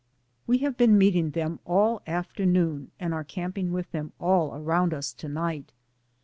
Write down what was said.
We have been meeting them all afternoon and are camping with them all around us to night.